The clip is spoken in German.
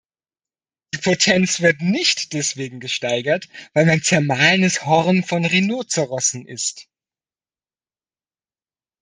Die Potenz wird nicht deswegen gesteigert, weil man zermahlenes Horn von Rhinozerossen ißt.